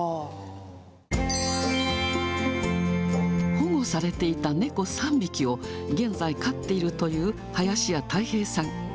保護されていた猫３匹を、現在飼っているという、林家たい平さん。